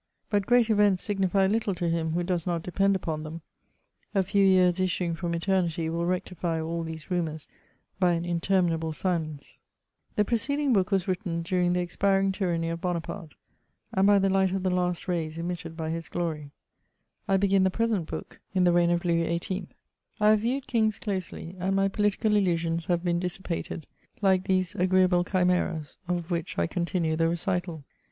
But great events signify little to him who does not depend upon them : a few years issuing from eternity will rectify all these rumours hy an interminable silence The preceding Book was written during the expiring tyranny of Bonaparte, and by the light of the last rays emitted by his glory ; I begin the present Book in the reign of Louis XVIII. I have viewed kings closely, and my political illusions have been dissipated, like these agreeable chimeras of which I con tinue the recital.